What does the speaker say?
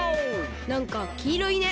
なんかきいろいね。